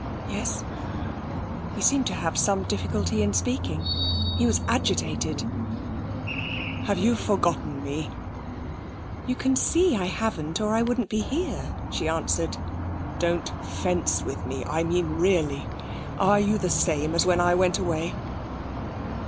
'Yes.' He seemed to have some difficulty in speaking. He was agitated. 'Have you forgotten me?' 'You can see I haven't, or I wouldn't be here,' she answered. 'Don't fence with me. I mean, really. Are you the same as when I went away?'